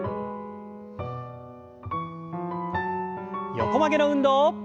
横曲げの運動。